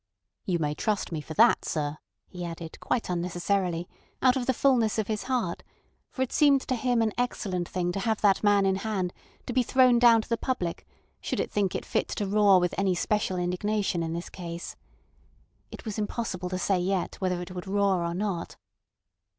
"You may trust me for that, sir," he added, quite unnecessarily, out of the fulness of his heart; for it seemed to him an excellent thing to have that man in hand to be thrown down to the public should it think fit to roar with any special indignation in this case. It was impossible to say yet whether it would roar or not.